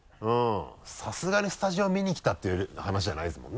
さすがにスタジオ見に来たっていう話じゃないですもんね？